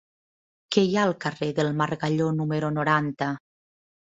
Què hi ha al carrer del Margalló número noranta?